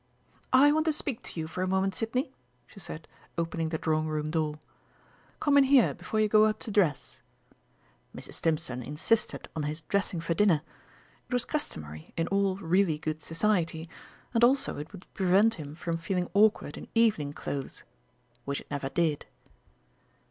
"I want to speak to you for a moment, Sidney," she said, opening the drawing room door. "Come in here before you go up to dress." (Mrs. Stimpson insisted on his dressing for dinner. It was customary in all really good society, and also it would prevent him from feeling awkward in evening clothes which it never did.)